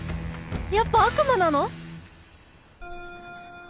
やっぱ悪魔なの！？